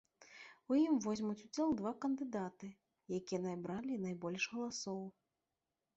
У ім возьмуць удзел два кандыдаты, якія набралі найбольш галасоў.